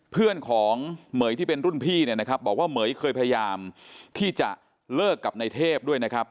เพื่อนของเหม๋ยที่เป็นรุ่นพี่เนี่ยนะครับบอกว่าเหม๋ยเคยพยายามที่จะเลิกกับในเทพด้วยนะครับ